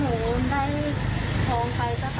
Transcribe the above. ก็ตอบมาที่พลายพักค่ะ